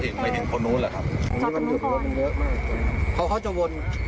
ใช่ออกตรงนี้เลยก็เลยมาตรงนี้แล้วก็เจ๊บรถเอารถพบมันก็ไม่มี